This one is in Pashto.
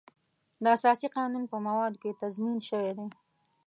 د اساسي قانون په موادو کې تضمین شوی دی.